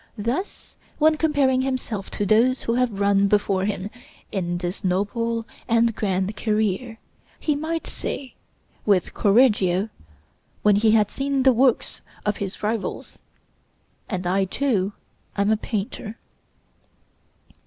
Thus, when comparing himself to those who have run before him in this noble and grand career, he might say, with Correggio, when he had seen the works of his rivals, "And I, too, am a Painter."